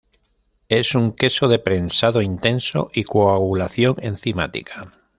Es un queso de prensado intenso y coagulación enzimática.